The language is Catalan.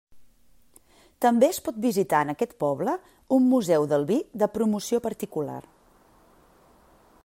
També es pot visitar en aquest poble un museu del vi de promoció particular.